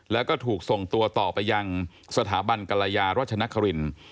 แล้วก็ถูกส่งตัวต่อไปยังสถาบันกรยารัชนครินทร์